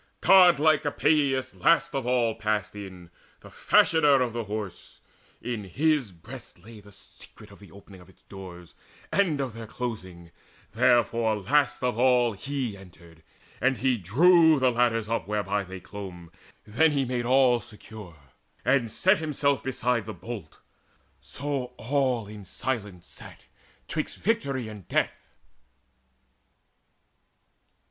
Godlike Epeius last of all passed in, The fashioner of the Horse; in his breast lay The secret of the opening of its doors And of their closing: therefore last of all He entered, and he drew the ladders up Whereby they clomb: then made he all secure, And set himself beside the bolt. So all In silence sat 'twixt victory and death.